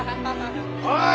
おい！